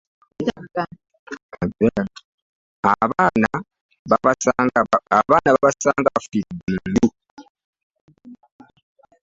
Abaana babasanga bafiiridde mu nju.